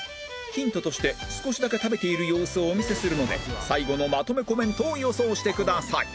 ヒントとして少しだけ食べている様子をお見せするので最後のまとめコメントを予想してください